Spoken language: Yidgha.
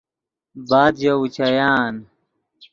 بعد ژے اوچیان